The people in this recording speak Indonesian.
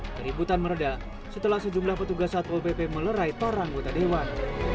keributan meredah setelah sejumlah petugas satpol pp melerai para anggota dewan